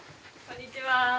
こんにちは。